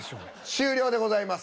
終了でございます。